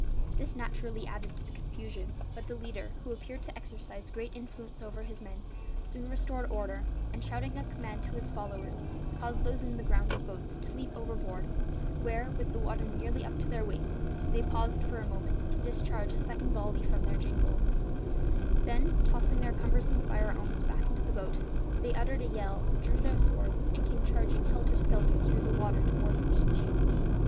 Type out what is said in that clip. This naturally added to the confusion; but the leader, who appeared to exercise great influence over his men, soon restored order and, shouting a command to his followers, caused those in the grounded boats to leap overboard, where, with the water nearly up to their waists, they paused for a moment to discharge a second volley from their jingals; then, tossing their cumbersome firearms back into the boats, they uttered a yell, drew their swords, and came charging helter skelter through the water toward the beach.